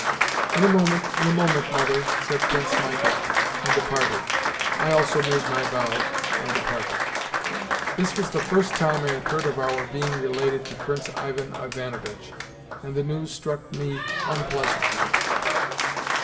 "In a moment, in a moment, mother," said Prince Michael, and departed. I also made my bows and departed. This was the first time I had heard of our being related to Prince Ivan Ivanovitch, and the news struck me unpleasantly.